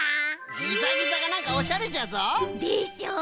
ギザギザがなんかおしゃれじゃぞ！でしょ？